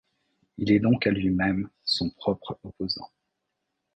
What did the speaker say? Il est donc à lui-même son propre opposant.